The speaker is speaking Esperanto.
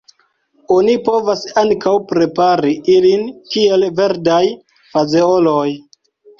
Oni povas ankaŭ prepari ilin kiel verdaj fazeoloj.